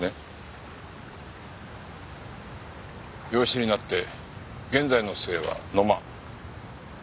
養子になって現在の姓は野間。